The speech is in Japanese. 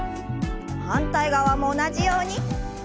反対側も同じように。